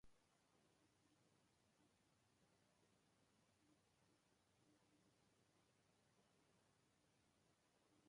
A equipe de UI/UX Design está criando uma interface intuitiva.